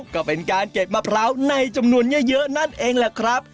ก็เป็นการเก็บมะพร้าวในจำนวนเยอะนั่นเองแหละครับ